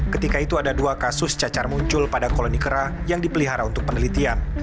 ketika itu ada dua kasus cacar muncul pada kolonikera yang dipelihara untuk penelitian